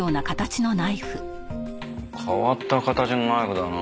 変わった形のナイフだな。